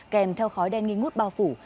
kèm theo khói đen nghi ngút bao phủ